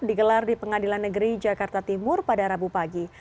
digelar di pengadilan negeri jakarta timur pada rabu pagi